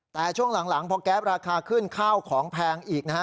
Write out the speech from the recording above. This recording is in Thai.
แต่ช่วงหลังพอแก๊ปราคาขึ้นข้าวของแพงอีกนะฮะ